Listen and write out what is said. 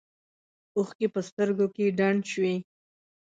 اوښکې په سترګو کې ډنډ شوې.